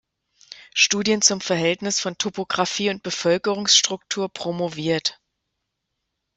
Studien zum Verhältnis von Topographie und Bevölkerungsstruktur" promoviert.